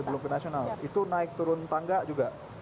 belum ke nasional itu naik turun tangga juga